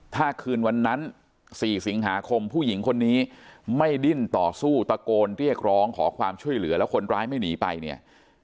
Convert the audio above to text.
ถ้าคืนวันนั้น๔สิงหาคมผู้หญิงคนนี้ไม่ดิ้นต่อสู้ตะโกนเรียกร้องขอความช่วยเหลือแล้วคนร้ายไม่หนีไปเนี่ย